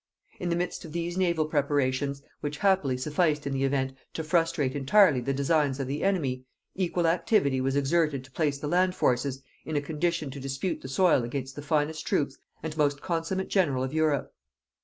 In the midst of these naval preparations, which happily sufficed in the event to frustrate entirely the designs of the enemy, equal activity was exerted to place the land forces in a condition to dispute the soil against the finest troops and most consummate general of Europe.